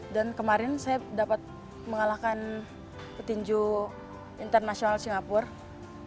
dan kemarin saya dapat mengalahkan petinju internasional singapura